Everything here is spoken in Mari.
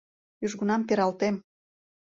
Южгунам пералтем.